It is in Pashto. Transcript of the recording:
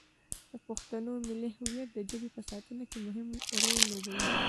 د پښتنو ملي هویت د ژبې په ساتنه کې مهم رول لوبولی دی.